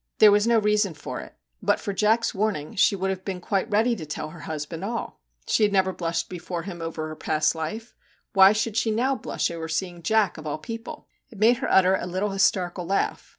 There was no reason for it. But for Jack's warning she would have been quite ready to tell her husband all. She had never blushed before him over her past life ; why she should now blush over 40 MR. JACK HAMLIN'S MEDIATION seeing Jack, of all people! made her utter a little hysterical laugh.